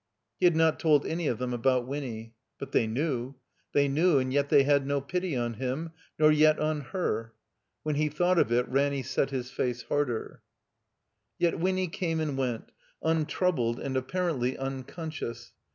He had not told any of them, about Winny. But they knew. They knew and yet they had no pity on him, nor yet on her. When he thought of it Ranny set his face harder. Yet \^^nny came and went, tmtroubled and ap parently unconscious.